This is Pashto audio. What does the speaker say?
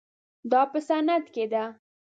دا په صنعت کې ده.